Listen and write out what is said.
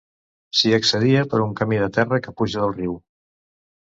S'hi accedia per un camí de terra que puja del riu.